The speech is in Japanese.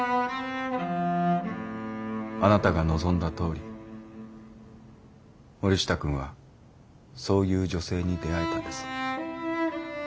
あなたが望んだとおり森下くんはそういう女性に出会えたんです。